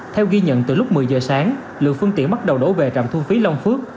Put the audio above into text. theo ghi nhận từ lúc một mươi giờ sáng lượng phương tiện bắt đầu đổ về trạm thu phí long phước